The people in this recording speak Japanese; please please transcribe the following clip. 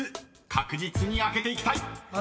確実に開けていきたい！］